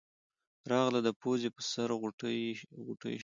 راغله د پوزې پۀ سر غوټۍ شوه